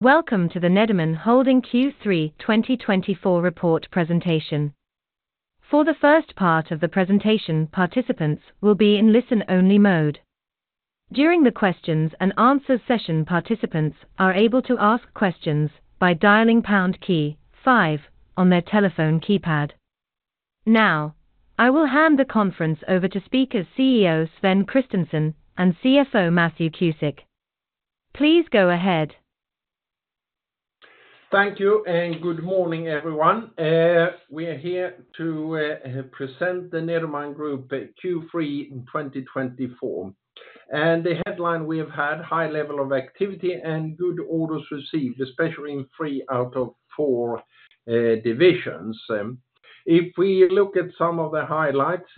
Welcome to the Nederman Holding Q3 2024 report presentation. For the first part of the presentation, participants will be in listen-only mode. During the questions and answers session, participants are able to ask questions by dialing pound key five on their telephone keypad. Now, I will hand the conference over to speakers, CEO Sven Kristensson and CFO Matthew Cusick. Please go ahead. Thank you, and good morning, everyone. We are here to present the Nederman Group Q3 in 2024. The headline, we have had high level of activity and good orders received, especially in three out of four divisions. If we look at some of the highlights,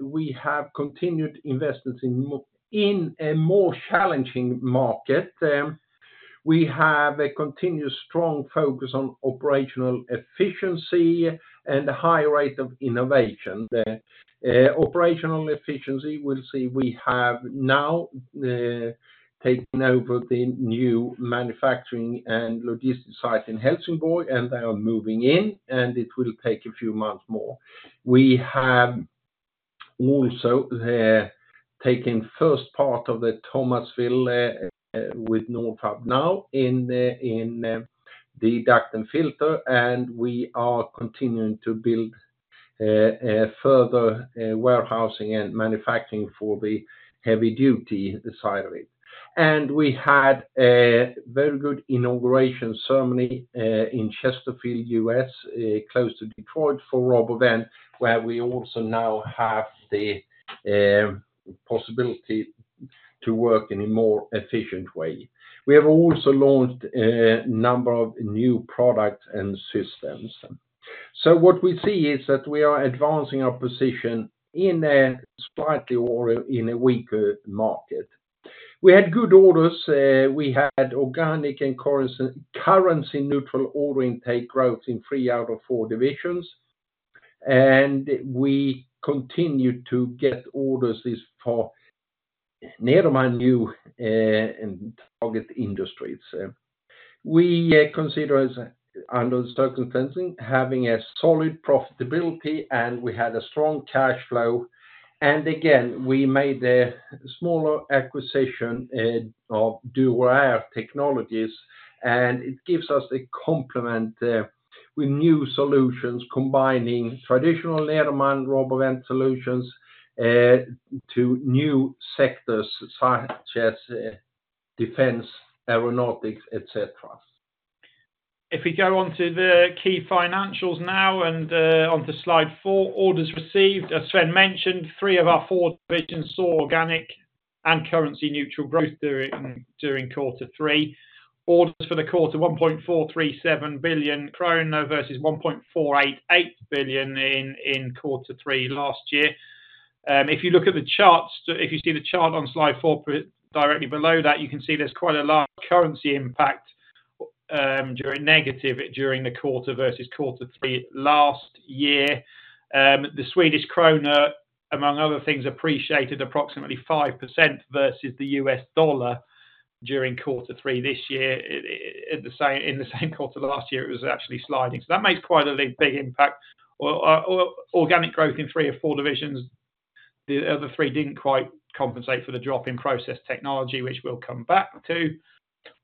we have continued investments in a more challenging market. We have a continuous strong focus on operational efficiency and a high rate of innovation. The operational efficiency, we'll see we have now taken over the new manufacturing and logistic site in Helsingborg, and they are moving in, and it will take a few months more. We have also taken first part of the Thomasville with Nordfab now in the Duct and Filter, and we are continuing to build a further warehousing and manufacturing for the heavy duty side of it. We had a very good inauguration ceremony in Chesterfield, U.S., close to Detroit for RoboVent, where we also now have the possibility to work in a more efficient way. We have also launched a number of new products and systems. What we see is that we are advancing our position in a slightly or in a weaker market. We had good orders. We had organic and currency neutral order intake growth in three out of four divisions, and we continued to get orders in for Nederman new target industries. We consider as under the circumstances, having a solid profitability, and we had a strong cash flow, and again, we made a smaller acquisition of Duroair Technologies, and it gives us a complement with new solutions, combining traditional Nederman RoboVent solutions to new sectors, such as defense, aeronautics, et cetera. If we go on to the key financials now and on to slide four, orders received, as Sven mentioned, three of our four divisions saw organic and currency neutral growth during quarter three. Orders for the quarter, 1.437 billion krona, versus 1.488 billion in quarter three last year. If you look at the charts, if you see the chart on slide four directly below that, you can see there's quite a large currency impact, negative during the quarter versus quarter three last year. The Swedish krona, among other things, appreciated approximately 5% versus the US dollar during quarter three this year. In the same quarter last year, it was actually sliding, so that makes quite a big impact. Organic growth in three of four divisions, the other three didn't quite compensate for the drop in Process Technology, which we'll come back to.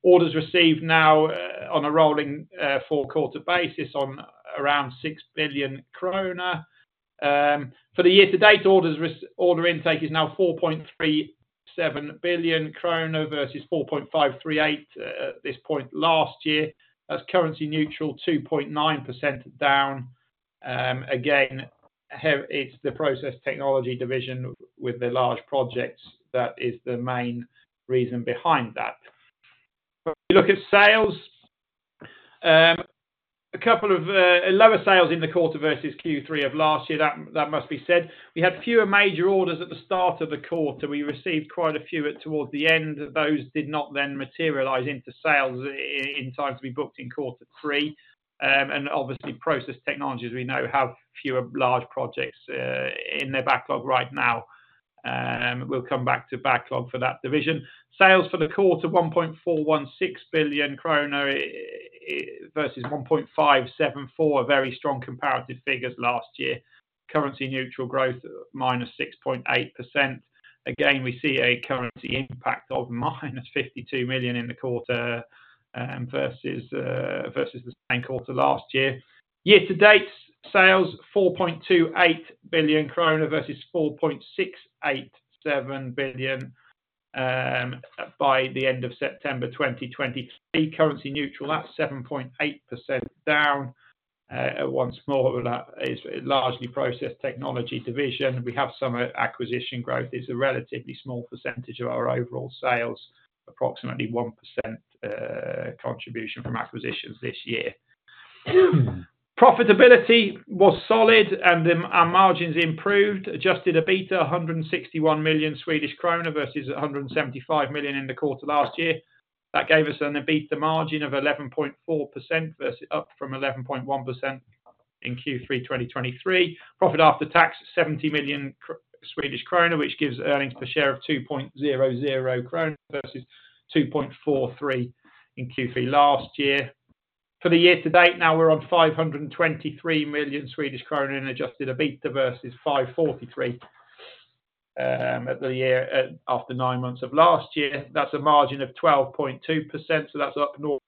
Orders received now on a rolling four quarter basis on around 6 billion krona. For the year to date, order intake is now 4.37 billion krona versus 4.538 billion at this point last year. That's currency neutral, 2.9% down. Again, here it's the Process Technology division with the large projects, that is the main reason behind that. If you look at sales, a couple of lower sales in the quarter versus Q3 of last year, that must be said. We had fewer major orders at the start of the quarter. We received quite a few towards the end. Those did not then materialize into sales in time to be booked in quarter three. And obviously, Process Technology, we know, have fewer large projects in their backlog right now. We'll come back to backlog for that division. Sales for the quarter, 1.416 billion kronor versus 1.574 billion, very strong comparative figures last year. Currency neutral growth, -6.8%. Again, we see a currency impact of -52 million in the quarter versus the same quarter last year. Year to date, sales 4.28 billion krona versus 4.687 billion by the end of September 2023. Currency neutral, that's 7.8% down. Once more, that is largely Process Technology division. We have some acquisition growth. It's a relatively small percentage of our overall sales, approximately 1%, contribution from acquisitions this year. Profitability was solid and then our margins improved. Adjusted EBITDA, 161 million Swedish krona versus 175 million in the quarter last year. That gave us an EBITDA margin of 11.4% versus up from 11.1% in Q3 2023, profit after tax, 70 million, which gives earnings per share of 2.00 krona versus 2.43 in Q3 last year. For the year to date, now we're on 523 million Swedish krona in adjusted EBITDA versus 543 million at the year after nine months of last year. That's a margin of 12.2%, so that's up 0.6%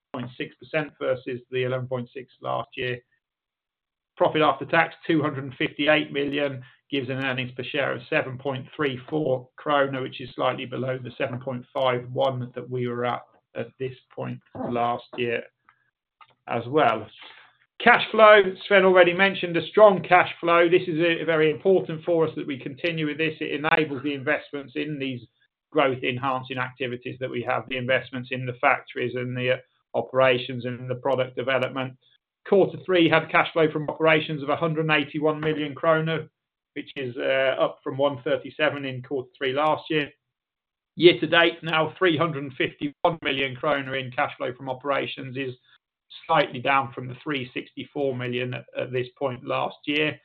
versus the 11.6% last year. Profit after tax, 258 million, gives an earnings per share of 7.34 krona, which is slightly below the 7.51 that we were at, at this point last year as well. Cash flow, Sven already mentioned a strong cash flow. This is very important for us that we continue with this. It enables the investments in these growth-enhancing activities that we have, the investments in the factories and the operations and the product development. Quarter three had cash flow from operations of 181 million krona, which is up from 137 in quarter three last year. Year to date, now 351 million krona in cash flow from operations is slightly down from the 364 million at, at this point last year.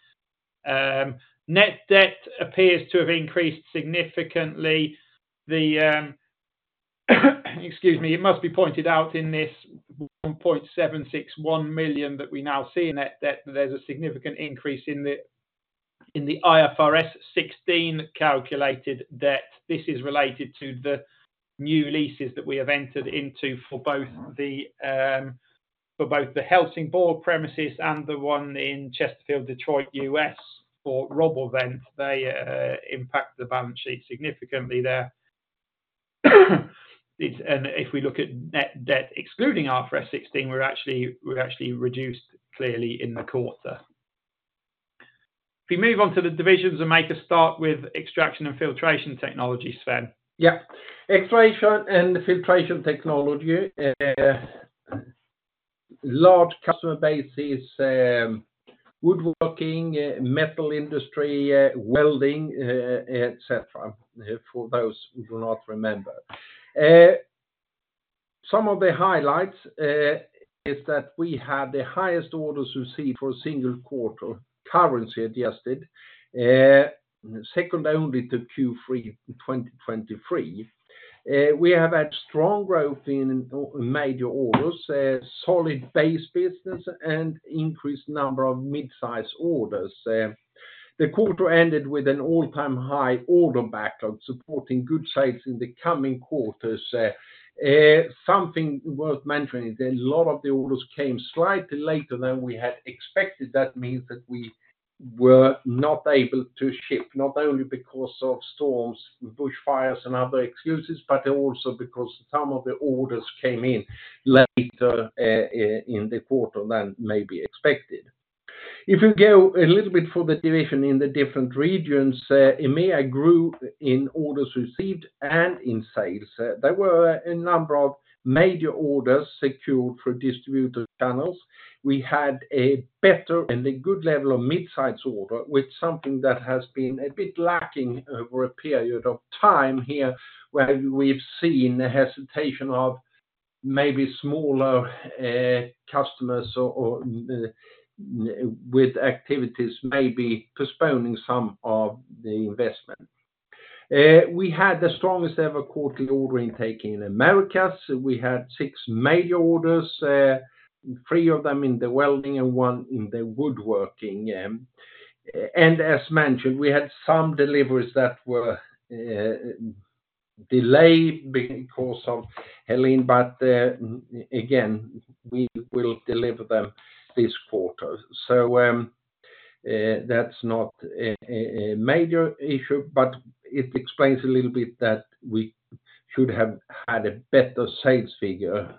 Net debt appears to have increased significantly. It must be pointed out in this 1.761 million that we now see in net debt, there's a significant increase in the IFRS 16 calculated debt. This is related to the new leases that we have entered into for both the Helsingborg premises and the one in Chesterfield, Detroit, U.S., for RoboVent. They impact the balance sheet significantly there. It's. If we look at net debt excluding IFRS 16, we're actually reduced clearly in the quarter. If we move on to the divisions and make a start with Extraction and Filtration Technologies, Sven. Yeah. Extraction and Filtration technology, large customer base is, woodworking, metal industry, welding, et cetera, for those who do not remember. Some of the highlights is that we have the highest orders received for a single quarter, currency adjusted, second only to Q3 2023. We have had strong growth in major orders, solid base business, and increased number of mid-size orders. The quarter ended with an all-time high order backlog, supporting good sales in the coming quarters. Something worth mentioning, a lot of the orders came slightly later than we had expected. That means that we were not able to ship, not only because of storms, bushfires, and other excuses, but also because some of the orders came in later in the quarter than may be expected. If you go a little bit for the division in the different regions, EMEA grew in orders received and in sales. There were a number of major orders secured through distributor channels. We had a better and a good level of mid-size order, with something that has been a bit lacking over a period of time here, where we've seen a hesitation of maybe smaller, customers or, with activities maybe postponing some of the investment. We had the strongest ever quarterly order intake in Americas. We had six major orders, three of them in the welding and one in the woodworking. And as mentioned, we had some deliveries that were delayed because of Helene, but again, we will deliver them this quarter. That's not a major issue, but it explains a little bit that we should have had a better sales figure.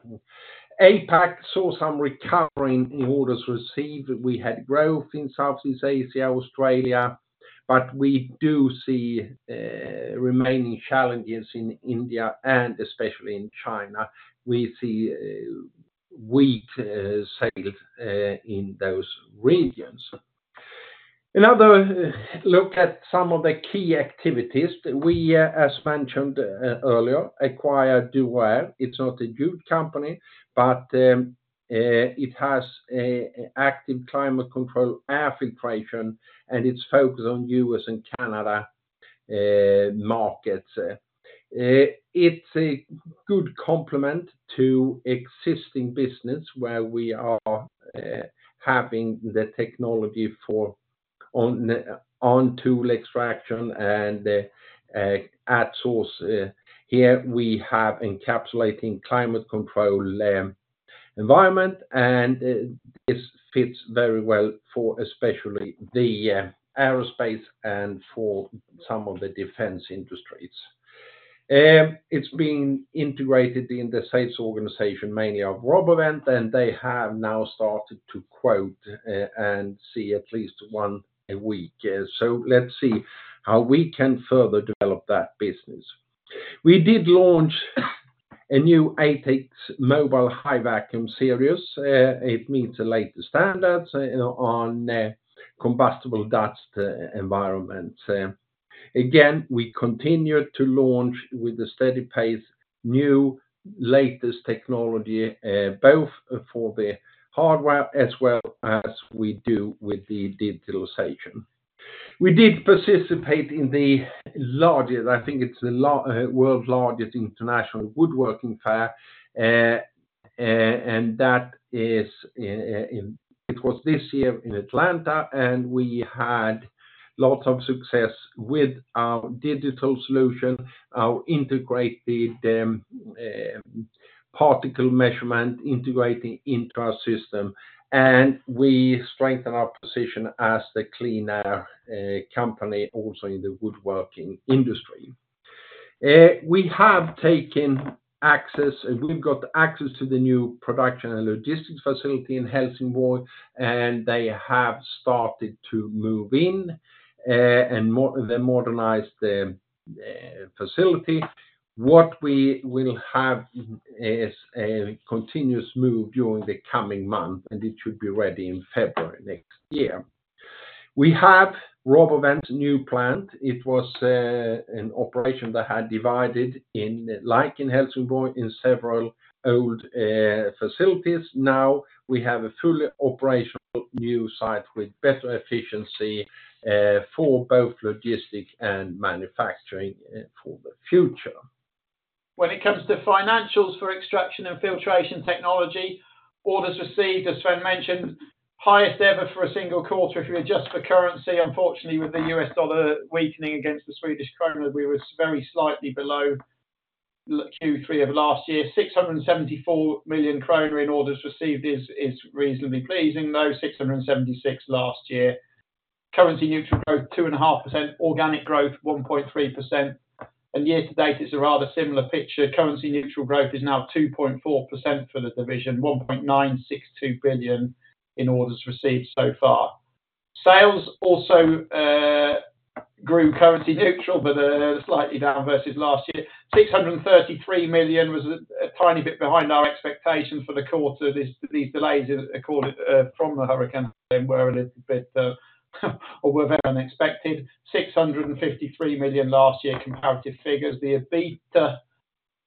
APAC saw some recovery in orders received. We had growth in Southeast Asia, Australia, but we do see remaining challenges in India and especially in China. We see weak sales in those regions. Another look at some of the key activities, we, as mentioned earlier, acquired Duroair. It's a good company, but it has an active climate control air filtration, and it's focused on U.S. and Canada markets. It's a good complement to existing business, where we are having the technology for on-tool extraction and at-source. Here, we have encapsulating climate control environment, and this fits very well for especially the aerospace and for some of the defense industries. It's being integrated in the sales organization, mainly of RoboVent, and they have now started to quote and see at least one a week. So let's see how we can further develop that business. We did launch a new ATEX mobile high vacuum series. It meets the latest standards on combustible dust environments. Again, we continued to launch with a steady pace, new latest technology, both for the hardware as well as we do with the digitalization. We did participate in the largest, I think it's the world's largest international woodworking fair, and that is in, it was this year in Atlanta, and we had lots of success with our digital solution, our integrated particle measurement, integrating into our system, and we strengthen our position as the Clean Air Company also in the woodworking industry. We have taken access, and we've got access to the new production and logistics facility in Helsingborg, and they have started to move in, and modernize the facility. What we will have is a continuous move during the coming month, and it should be ready in February next year. We have RoboVent new plant. It was an operation that had divided in, like in Helsingborg, in several old facilities. Now, we have a fully operational new site with better efficiency, for both logistics and manufacturing, for the future. When it comes to financials for Extraction and Filtration Technology, orders received, as Sven mentioned, highest ever for a single quarter if you adjust for currency. Unfortunately, with the US dollar weakening against the Swedish krona, we were very slightly below Q3 of last year. 674 million kronor in orders received is reasonably pleasing, though 676 million last year. Currency neutral growth 2.5%, organic growth 1.3%, and year to date, it's a rather similar picture. Currency neutral growth is now 2.4% for the division, 1.962 billion in orders received so far. Sales also grew currency neutral, but slightly down versus last year. 633 million was a tiny bit behind our expectations for the quarter. These delays a quarter from the hurricane were a little bit or were very unexpected. 653 million last year, comparative figures. The EBITDA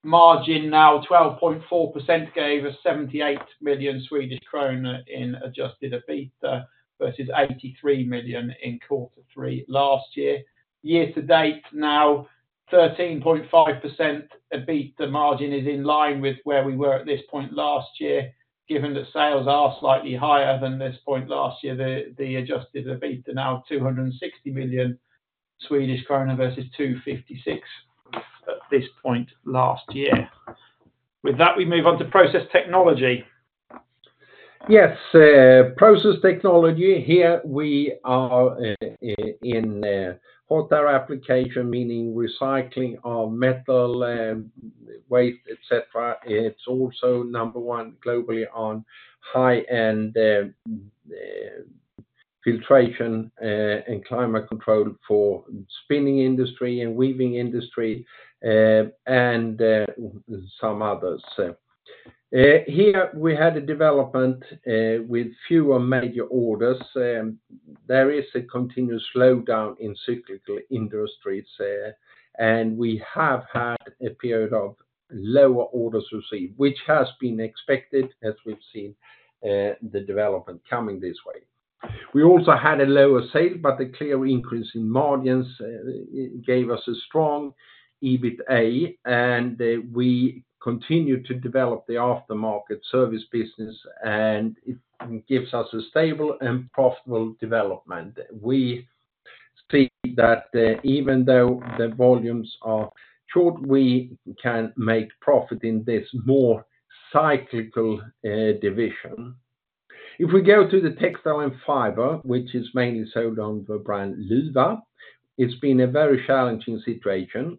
margin, now 12.4%, gave us 78 million Swedish kronor in adjusted EBITDA versus 83 million in quarter three last year. Year to date, now, 13.5% EBITDA margin is in line with where we were at this point last year. Given that sales are slightly higher than this point last year, the adjusted EBITDA now 260 million Swedish krona versus 256 at this point last year. With that, we move on to Process Technology. Yes, Process Technology, here we are, in other applications, meaning recycling of metal waste, et cetera. It's also number one globally on high-end filtration and climate control for spinning industry and weaving industry, and some others. Here, we had a development with fewer major orders. There is a continuous slowdown in cyclical industries, and we have had a period of lower orders received, which has been expected as we've seen the development coming this way. We also had lower sales, but a clear increase in margins gave us a strong EBITA, and we continued to develop the aftermarket service business, and it gives us a stable and profitable development. We see that even though the volumes are short, we can make profit in this more cyclical division. If we go to the textile and fiber, which is mainly sold on the brand Luwa, it's been a very challenging situation.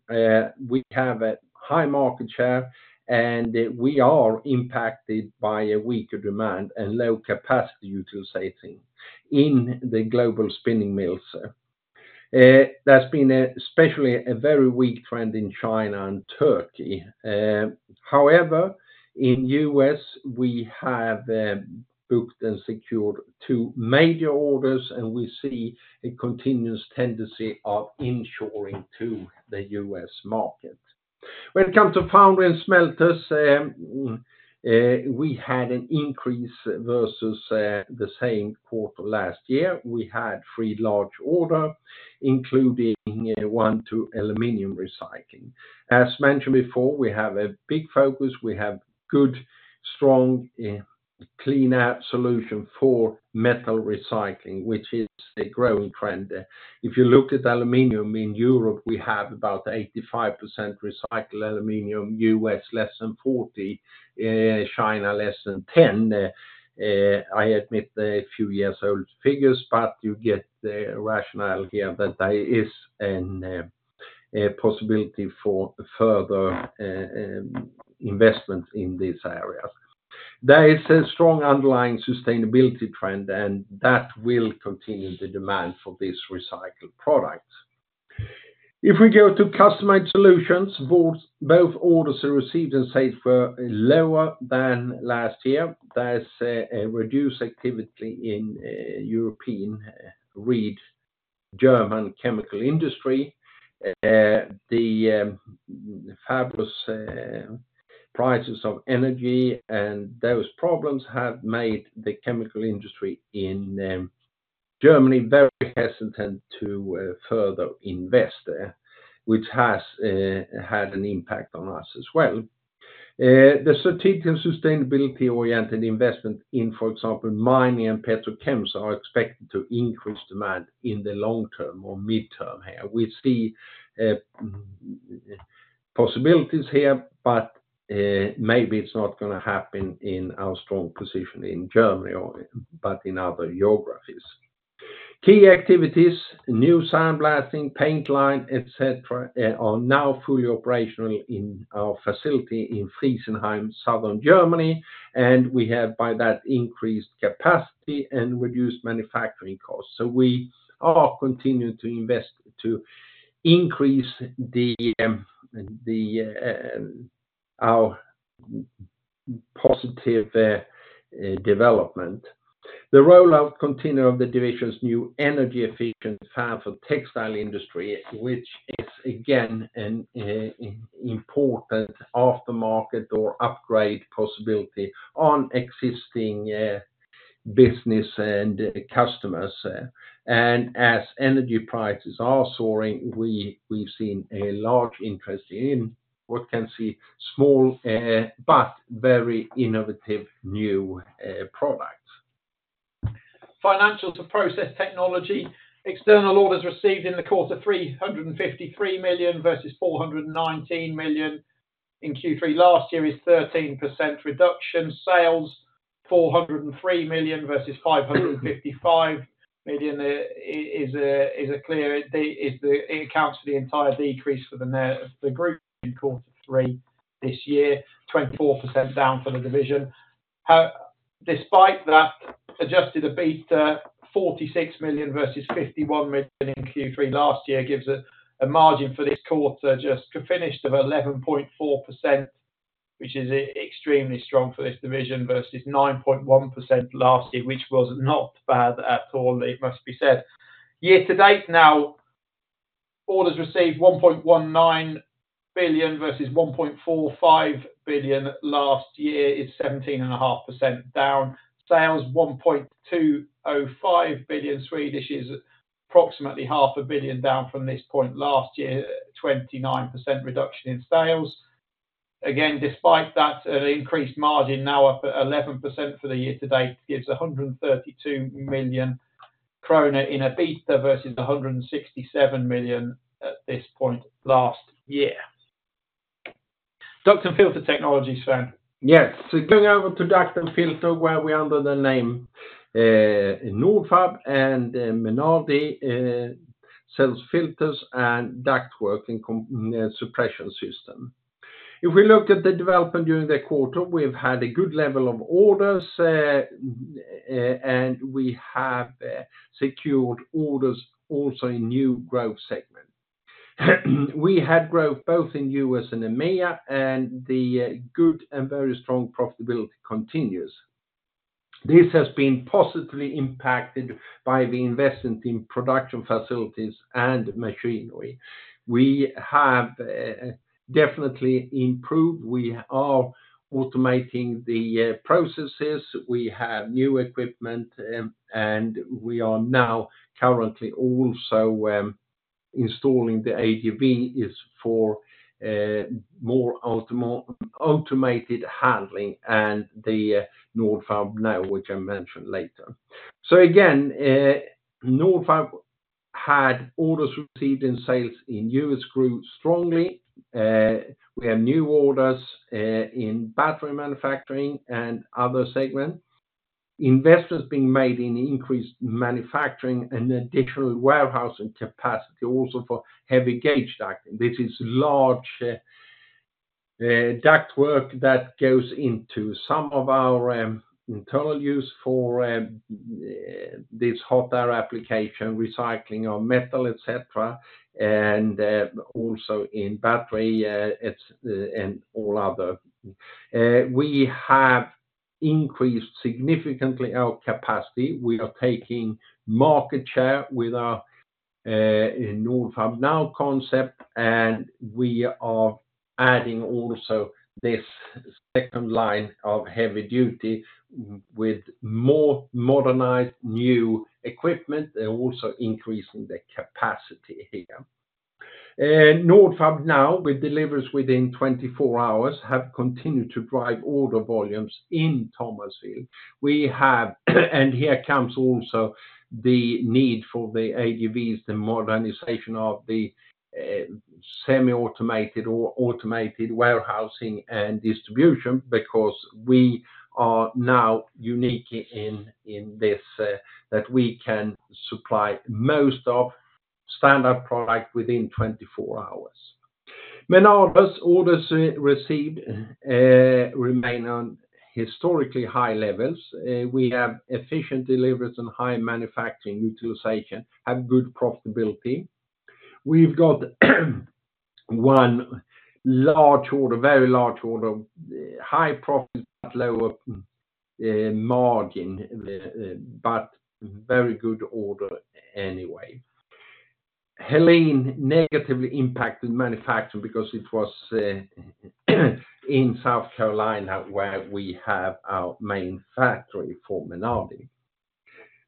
We have a high market share, and we are impacted by a weaker demand and low capacity utilization in the global spinning mills. There's been, especially a very weak trend in China and Turkey. However, in the U.S., we have booked and secured two major orders, and we see a continuous tendency of insourcing to the U.S. market. When it comes to foundry and smelters, we had an increase versus the same quarter last year. We had three large order, including one to aluminum recycling. As mentioned before, we have a big focus, we have good, strong clean air solution for metal recycling, which is a growing trend. If you looked at aluminum in Europe, we have about 85% recycled aluminum, U.S., less than 40%, China, less than 10%. I admit they're a few years old figures, but you get the rationale here that there is a possibility for further investment in these areas. There is a strong underlying sustainability trend, and that will continue the demand for these recycled products. If we go to customized solutions, both orders are received and sales are lower than last year. There's a reduced activity in European, German chemical industry, the fabulous prices of energy and those problems have made the chemical industry in Germany very hesitant to further invest there, which has had an impact on us as well. The strategic and sustainability-oriented investment in, for example, mining and petrochems, are expected to increase demand in the long term or midterm here. We see possibilities here, but maybe it's not gonna happen in our strong position in Germany but in other geographies. Key activities, new sandblasting, paint line, et cetera, are now fully operational in our facility in Friesenheim, southern Germany, and we have, by that, increased capacity and reduced manufacturing costs. So we are continuing to invest to increase our positive development. The rollout continue of the division's new energy efficient fan for textile industry, which is again, an important aftermarket or upgrade possibility on existing business and customers. And as energy prices are soaring, we've seen a large interest in what can be small, but very innovative new products. Financials to Process Technology. External orders received in the quarter, 353 million versus 419 million in Q3 last year, is a 13% reduction. Sales, 403 million versus 555 million, is a clear. It accounts for the entire decrease in net sales of the group in quarter three this year, 24% down for the division. Despite that, adjusted EBITDA, 46 million versus 51 million in Q3 last year, gives a margin for this quarter, just to finish, of 11.4%, which is extremely strong for this division, versus 9.1% last year, which was not bad at all, it must be said. Year-to-date now, orders received 1.19 billion versus 1.45 billion last year, is 17.5% down. Sales, 1.205 billion, is approximately 500 million down from this point last year, 29% reduction in sales. Again, despite that, an increased margin, now up at 11% for the year-to-date, gives 132 million krona in EBITDA versus 167 million at this point last year. Duct and Filter Technologies, Sven. Yes. So going over to Duct and Filter, where we under the name Nordfab and Menardi sells filters and ductwork and suppression system. If we look at the development during the quarter, we've had a good level of orders, and we have secured orders also in new growth segment. We had growth both in U.S. and EMEA, and the good and very strong profitability continues. This has been positively impacted by the investment in production facilities and machinery. We have definitely improved. We are automating the processes, we have new equipment, and we are now currently also installing the AGVs for more automated handling and the Nordfab Now, which I mentioned later. So again, Nordfab had orders received, and sales in U.S. grew strongly. We have new orders in battery manufacturing and other segments. Investments being made in increased manufacturing and additional warehousing capacity, also for heavy gauge ducting. This is large ductwork that goes into some of our internal use for this hot air application, recycling of metal, et cetera, and also in battery, it's, and all other. We have increased significantly our capacity. We are taking market share with our Nordfab Now concept, and we are adding also this second line of heavy duty with more modernized new equipment and also increasing the capacity here. Nordfab Now, with deliveries within 24 hours, have continued to drive order volumes in Thomasville. We have, and here comes also the need for the AGVs, the modernization of the semi-automated or automated warehousing and distribution, because we are now unique in this, that we can supply most of standard product within 24 hours. Menardi's orders received remain on historically high levels. We have efficient deliveries and high manufacturing utilization, have good profitability. We've got one large order, very large order, high profit, but lower margin, but very good order anyway. Helene negatively impacted manufacturing because it was in South Carolina, where we have our main factory for Menardi.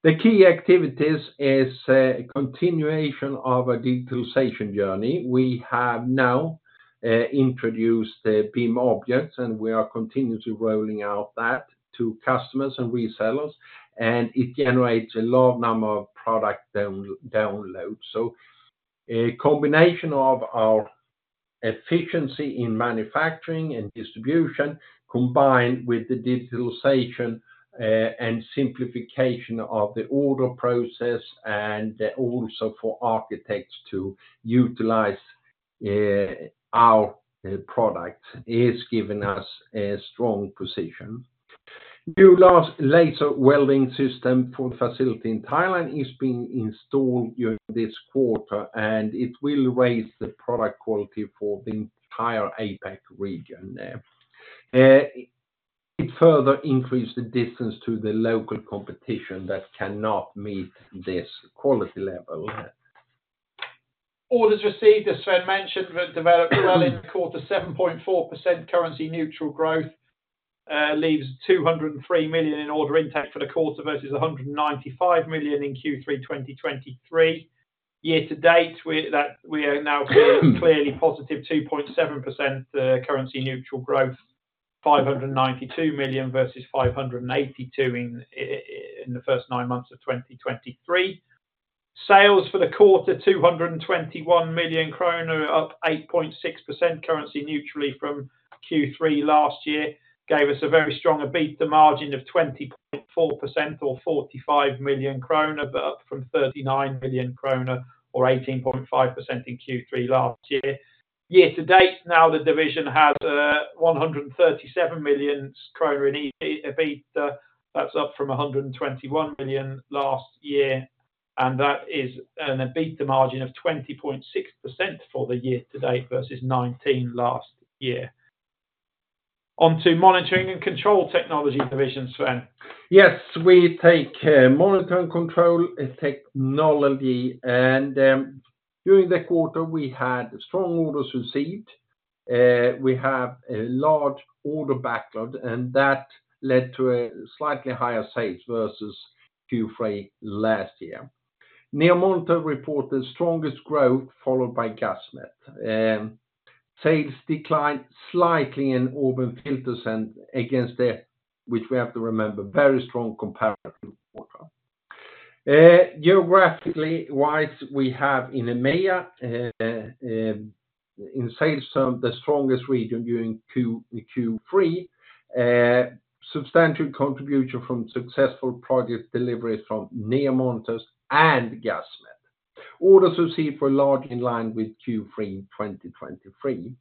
The key activities is a continuation of our digitalization journey. We have now introduced the BIM objects, and we are continuously rolling out that to customers and resellers, and it generates a large number of product downloads. So a combination of our efficiency in manufacturing and distribution, combined with the digitalization, and simplification of the order process, and also for architects to utilize, our product, is giving us a strong position. Newest laser welding system for facility in Thailand is being installed during this quarter, and it will raise the product quality for the entire APAC region there. It further increase the distance to the local competition that cannot meet this quality level. Orders received, as Sven mentioned, were developed well in quarter 7.4% currency neutral growth, leaves 203 million in order intake for the quarter versus 195 million in Q3 2023. Year to date, that we are now clearly positive, 2.7%, currency neutral growth, 592 million versus 582 million in the first nine months of 2023. Sales for the quarter, 221 million kronor, up 8.6% currency neutrally from Q3 last year, gave us a very strong EBITDA margin of 20.4% or 45 million kronor, but up from 39 million kronor, or 18.5% in Q3 last year. Year to date, now the division has, 137 million kronor in EBITDA. That's up from 121 million last year, and that is an EBITDA margin of 20.6% for the year to date versus 19% last year. On to Monitoring and Control Technology divisions, Sven. Yes, we take Monitoring Control Technology, and during the quarter, we had strong orders received. We have a large order backlog, and that led to a slightly higher sales versus Q3 last year. NEO Monitors reported the strongest growth, followed by Gasmet. Sales declined slightly in Auburn FilterSense and against the, which we have to remember, very strong comparative quarter. Geographically wise, we have in EMEA in sales term the strongest region during Q3, substantial contribution from successful project deliveries from NEO Monitors and Gasmet. Orders received were largely in line with Q3 2023.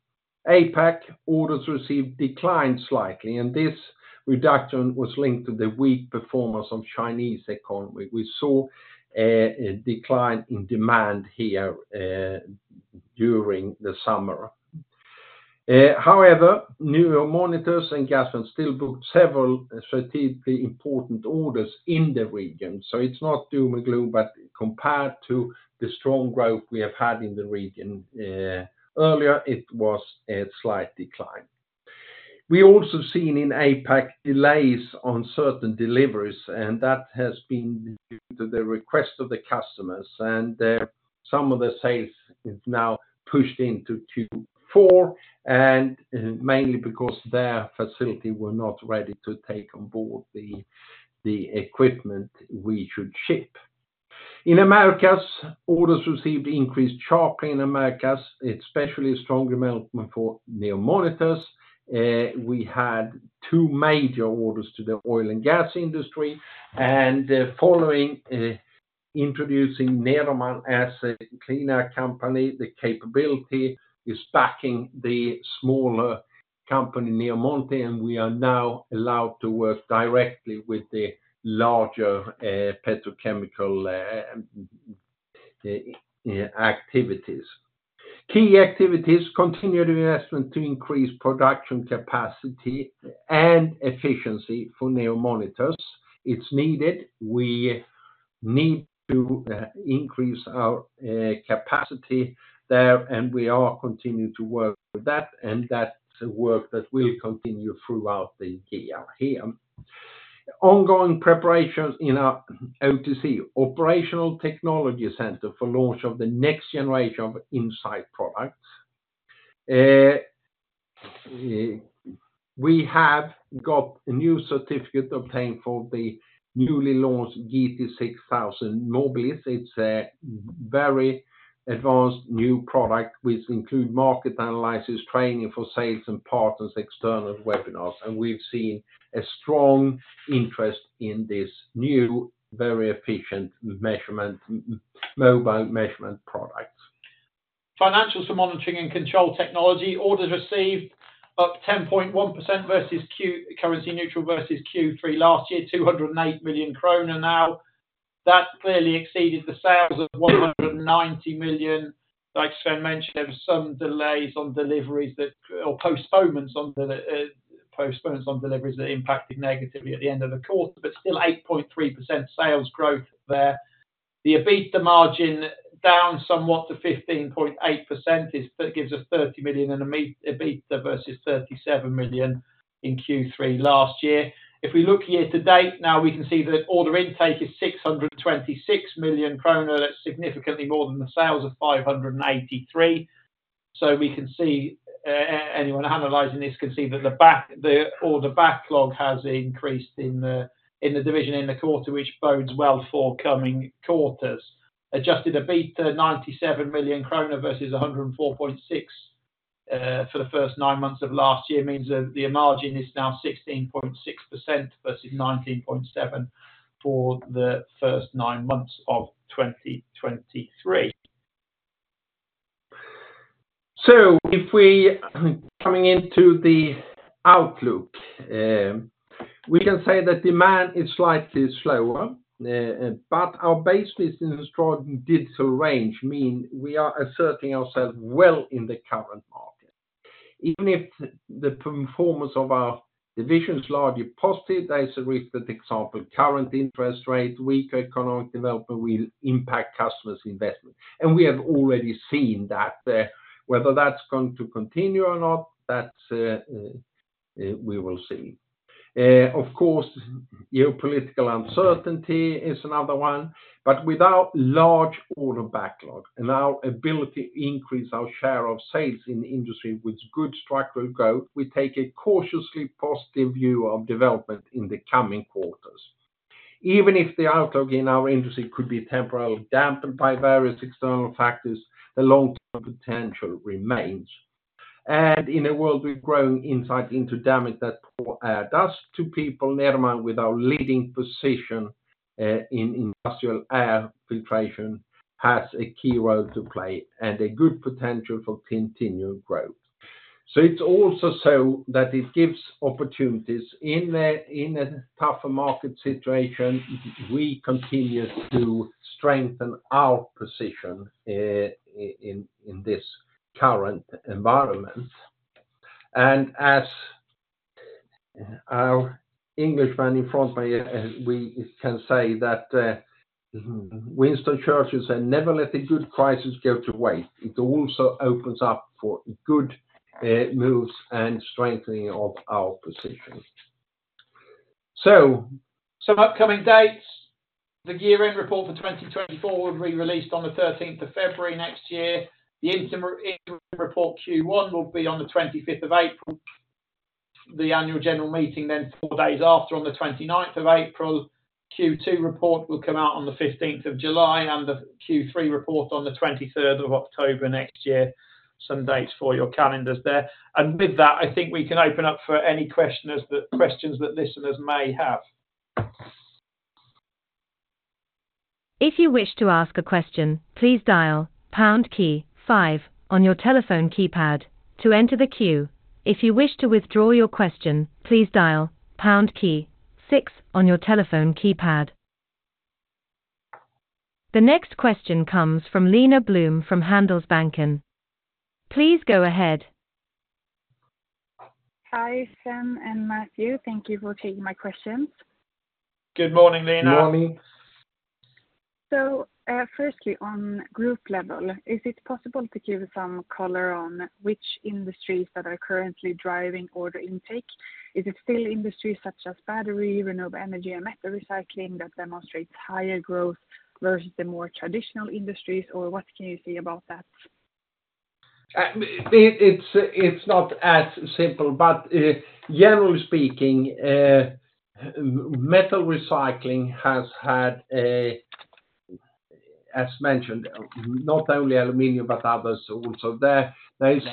APAC orders received declined slightly, and this reduction was linked to the weak performance of Chinese economy. We saw a decline in demand here during the summer. However, NEO Monitors and Gasmet still booked several strategically important orders in the region, so it's not doom and gloom, but compared to the strong growth we have had in the region earlier, it was a slight decline. We also seen in APAC delays on certain deliveries, and that has been due to the request of the customers, and some of the sales is now pushed into Q4, and mainly because their facility were not ready to take on board the, the equipment we should ship. In Americas, orders received increased sharply in Americas, especially strong development for NEO Monitors. We had two major orders to the oil and gas industry, and following introducing Nederman as a the Clean Air company, the capability is backing the smaller company, NEO Monitors, and we are now allowed to work directly with the larger petrochemical activities. Key activities, continued investment to increase production capacity and efficiency for NEO Monitors. It's needed. We need to increase our capacity there, and we are continuing to work with that, and that's the work that will continue throughout the year here. Ongoing preparations in our OTC, Operational Technology Center, for launch of the next generation of Insight products. We have got a new certificate obtained for the newly launched GT6000 Mobilis. It's a very advanced new product which include market analysis, training for sales and partners, external webinars, and we've seen a strong interest in this new, very efficient measurement, mobile measurement product. Financials for Monitoring and Control Technology, orders received up 10.1% versus Q3, currency neutral versus Q3 last year, 208 million kronor now. That clearly exceeded the sales of 190 million. Like Sven mentioned, there were some delays on deliveries that, or postponements on deliveries that impacted negatively at the end of the quarter, but still 8.3% sales growth there. The EBITDA margin, down somewhat to 15.8%, gives us 30 million in EBITDA versus 37 million in Q3 last year. If we look year to date, now we can see that order intake is 626 million krona. That's significantly more than the sales of 583 million. So we can see, anyone analyzing this can see that the backlog, the order backlog has increased in the division in the quarter, which bodes well for coming quarters. Adjusted EBITDA, 97 million kronor versus 104.6 million for the first nine months of last year, means that the margin is now 16.6% versus 19.7% for the first nine months of 2023. Coming into the outlook, we can say that demand is slightly slower, but our business in strong digital range mean we are asserting ourselves well in the current market. Even if the performance of our division is largely positive, there is a risk that, for example, current interest rate, weaker economic development will impact customers' investment, and we have already seen that. Whether that's going to continue or not, we will see. Of course, geopolitical uncertainty is another one, but with a large order backlog and our ability to increase our share of sales in industry with good structural growth, we take a cautiously positive view of development in the coming quarters. Even if the outlook in our industry could be temporarily dampened by various external factors, the long-term potential remains. And in a world with growing insight into damage that poor air does to people, Nederman with our leading position in industrial air filtration has a key role to play and a good potential for continued growth. So it's also so that it gives opportunities. In a tougher market situation, we continue to strengthen our position in this current environment. And as our Englishman in front of me, we can say that Winston Churchill said, "Never let a good crisis go to waste." It also opens up for good moves and strengthening of our position. So. Some upcoming dates, the year-end report for 2024 will be released on the 13th of February next year. The interim report Q1 will be on the 25th of April. The Annual General Meeting then four days after, on the 29th of April. Q2 report will come out on the 15th of July, and the Q3 report on the 23rd of October next year. Some dates for your calendars there. And with that, I think we can open up for any questions that listeners may have. If you wish to ask a question, please dial pound key five on your telephone keypad to enter the queue. If you wish to withdraw your question, please dial pound key six on your telephone keypad. The next question comes from Lina Bloom, from Handelsbanken. Please go ahead. Hi, Sven and Matthew. Thank you for taking my questions. Good morning, Lina. Good morning. Firstly, on group level, is it possible to give some color on which industries that are currently driving order intake? Is it still industries such as battery, renewable energy, and metal recycling that demonstrates higher growth versus the more traditional industries, or what can you say about that? It's not as simple, but generally speaking, metal recycling has had a... As mentioned, not only aluminum, but others also, there is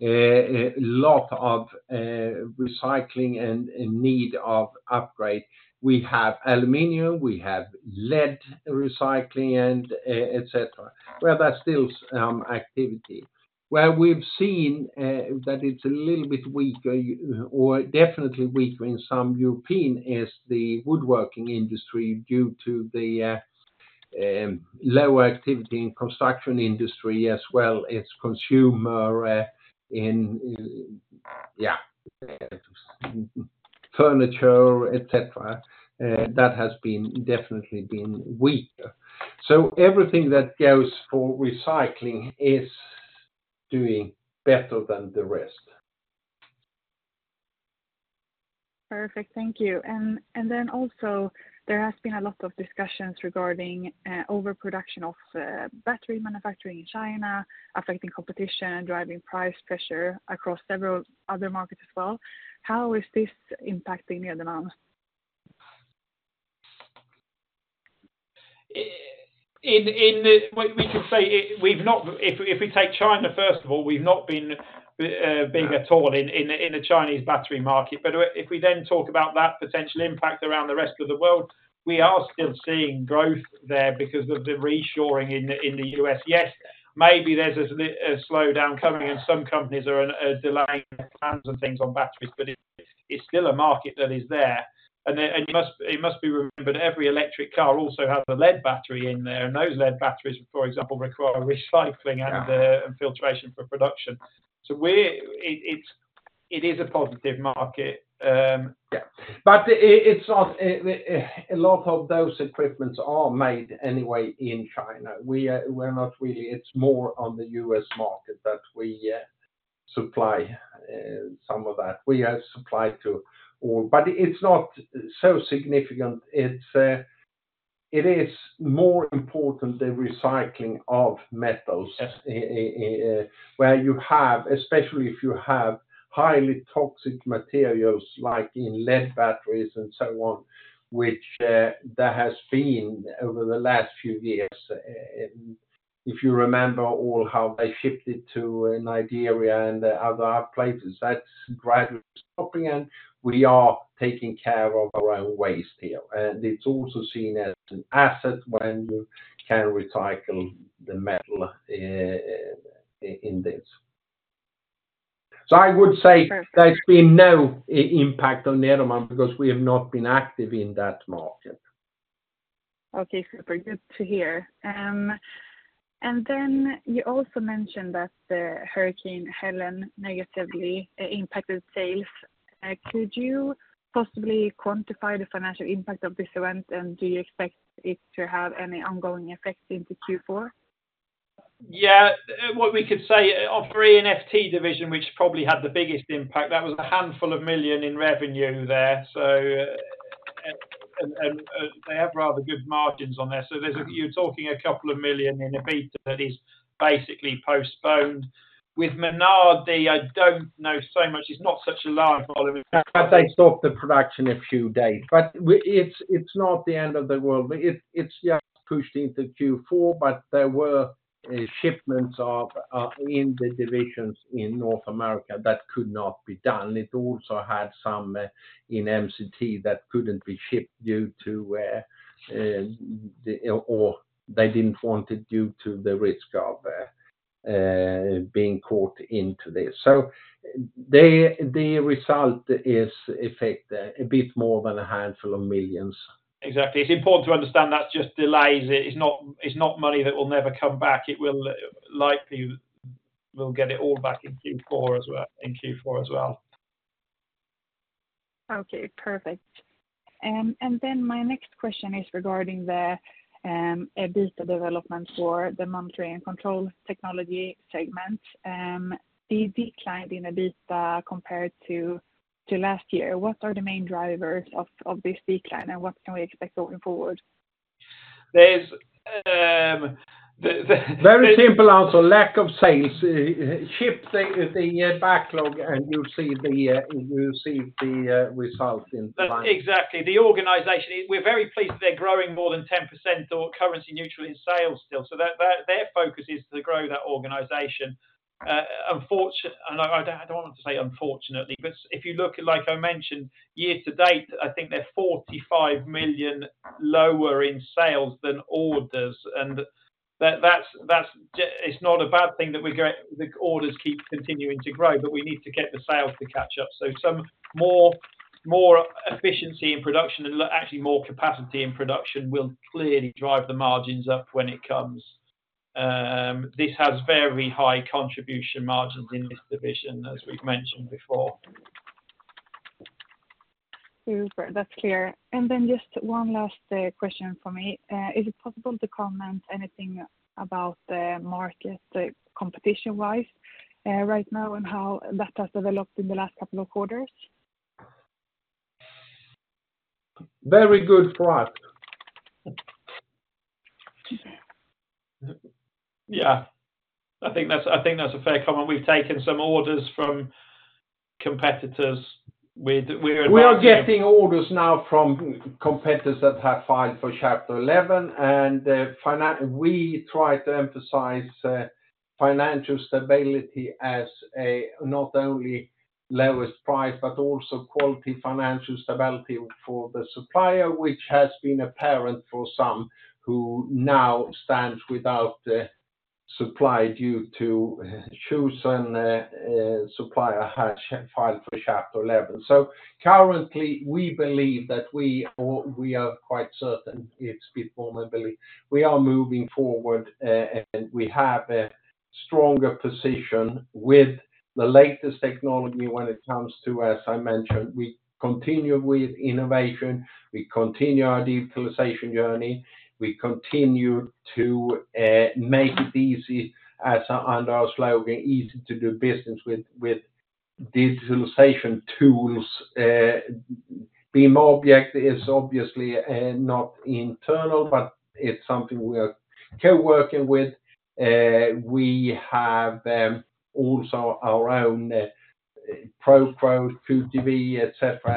a lot of recycling and need of upgrade. We have aluminum, we have lead recycling, and et cetera, where there's still some activity. Where we've seen that it's a little bit weaker, or definitely weaker in some European, is the woodworking industry, due to the low activity in construction industry as well as consumer in furniture, et cetera. That has definitely been weaker. So everything that goes for recycling is doing better than the rest. Perfect. Thank you. And then also there has been a lot of discussions regarding overproduction of battery manufacturing in China, affecting competition and driving price pressure across several other markets as well. How is this impacting the demand? We can say, if we take China first of all, we've not been big at all in the Chinese battery market. But if we then talk about that potential impact around the rest of the world, we are still seeing growth there because of the reshoring in the U.S. Yes, maybe there's a slowdown coming, and some companies are delaying plans and things on batteries, but it's still a market that is there, and it must be remembered, every electric car also has a lead battery in there, and those lead batteries, for example, require recycling. Yeah. And filtration for production. So it is a positive market. Yeah, but it's not a lot of those equipments are made anyway in China. We're not really, it's more on the U.S. market that we supply some of that. We have supplied to all. But it's not so significant. It is more important the recycling of metals. Yes. I, where you have, especially if you have highly toxic materials, like in lead batteries and so on, which, there has been over the last few years. If you remember all how they shipped it to Nigeria and other places, that's gradually stopping, and we are taking care of our own waste here. And it's also seen as an asset when you can recycle the metal, in this. So I would say there's been no impact on Nederman because we have not been active in that market. Okay, super. Good to hear. And then you also mentioned that the Hurricane Helene negatively impacted sales. Could you possibly quantify the financial impact of this event, and do you expect it to have any ongoing effect into Q4? Yeah. What we could say, division, which probably had the biggest impact, that was a handful of million in revenue there. So, and they have rather good margins on there. So there's you're talking a couple of million in EBITDA that is basically postponed. With Menardi, I don't know so much. It's not such a large volume. But they stopped the production a few days. But it's not the end of the world. It's just pushed into Q4, but there were shipments in the divisions in North America that could not be done. It also had some in MCT that couldn't be shipped due to or they didn't want it due to the risk of being caught into this. So the result is affected a bit more than a handful of millions. Exactly. It's important to understand that's just delays. It's not money that will never come back. It will likely we'll get it all back in Q4 as well. Okay, perfect. And then my next question is regarding the EBITDA development for the Monitoring and Control Technology segment, the decline in EBITDA compared to last year. What are the main drivers of this decline, and what can we expect going forward? Very simple answer, lack of sales. Ship the backlog and you'll see the results in time. Exactly. The organization, we're very pleased they're growing more than 10% or currency neutral in sales still. So that their focus is to grow that organization. And I don't want to say unfortunately, but if you look at, like I mentioned, year to date, I think they're SEK 45 million lower in sales than orders, and that's it's not a bad thing that the orders keep continuing to grow, but we need to get the sales to catch up. So some more efficiency in production and actually more capacity in production will clearly drive the margins up when it comes. This has very high contribution margins in this division, as we've mentioned before. Super, that's clear. And then just one last question for me. Is it possible to comment anything about the market, competition wise, right now and how that has developed in the last couple of quarters? Very good product. Yeah, I think that's a fair comment. We've taken some orders from competitors. We're. We are getting orders now from competitors that have filed for Chapter 11, and we try to emphasize financial stability as not only lowest price, but also quality financial stability for the supplier, which has been apparent for some who now stands without the supply due to chosen supplier had filed for Chapter 11. So currently, we believe that we, or we are quite certain it's beyond my belief, we are moving forward, and we have a stronger position with the latest technology when it comes to, as I mentioned, we continue with innovation, we continue our digitalization journey, we continue to make it easy, as under our slogan, easy to do business with, with digitalization tools. BIM object is obviously not internal, but it's something we are co-working with. We have also our own, et cetera,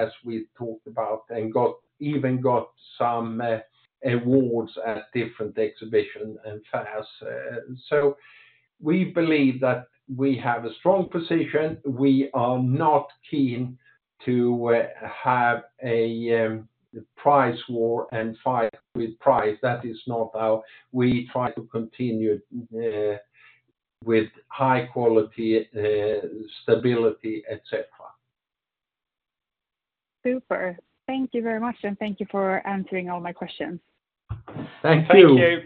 as we talked about, and even got some awards at different exhibitions and fairs. So we believe that we have a strong position. We are not keen to have a price war and fight with price. That is not how we try to continue with high quality, stability, et cetera. Super! Thank you very much, and thank you for answering all my questions. Thank you. Thank you.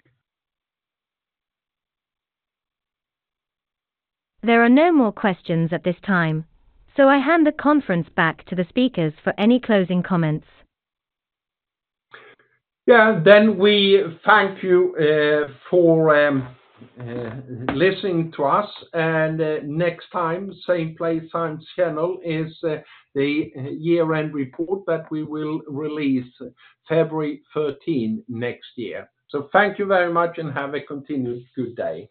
There are no more questions at this time, so I hand the conference back to the speakers for any closing comments. Yeah, then we thank you for listening to us, and next time, same place, same channel, is the year-end report that we will release February thirteen next year. So thank you very much and have a continued good day.